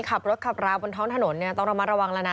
ขับรถขับราบนท้องถนนต้องระมัดระวังแล้วนะ